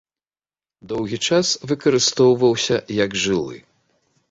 Доўгі час выкарыстоўваўся як жылы.